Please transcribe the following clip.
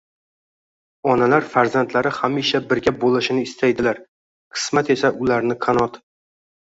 ...Onalar farzandlari hamisha birga bo'lishini istaydilar. Qismat esa, ularni qanot